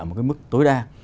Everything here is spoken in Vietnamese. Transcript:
một cái mức tối đa